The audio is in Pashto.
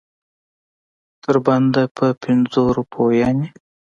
تر بنده په پنځو روپو یعنې.